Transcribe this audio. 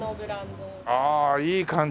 ああいい感じだね。